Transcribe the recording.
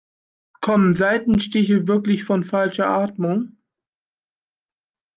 Kommen Seitenstiche wirklich von falscher Atmung?